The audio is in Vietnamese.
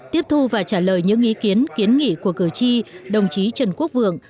tiếp thu và trả lời những ý kiến kiến nghị của cử tri đồng chí trần quốc vượng